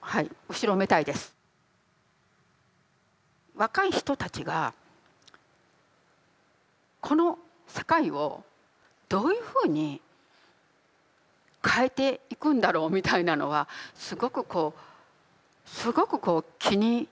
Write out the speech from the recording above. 若い人たちがこの世界をどういうふうに変えていくんだろうみたいなのはすごくこうすごくこう気になっていて。